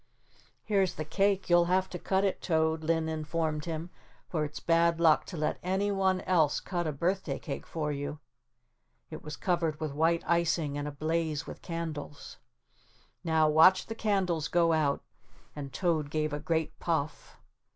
"Here's the cake, you'll have to cut it, Toad," Linn informed him, "for it's bad luck to let any one else cut a birthday cake for you." It was covered with white icing and ablaze with candles. "Now watch the candles go out," and Toad gave a great puff.